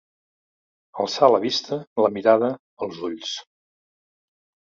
Alçar la vista, la mirada, els ulls.